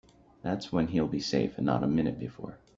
That's when he'll be safe and not a minute before.